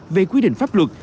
về quy định pháp luật